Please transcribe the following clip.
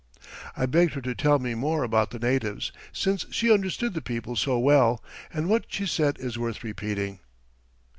I begged her to tell me more about the natives, since she understood the people so well, and what she said is worth repeating.